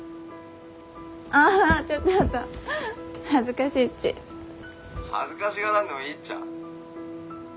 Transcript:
あ恥ずかしいっち。恥ずかしがらんでもいいっちゃ。